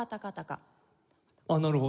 なるほど。